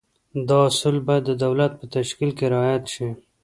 دا اصول باید د دولت په تشکیل کې رعایت شي.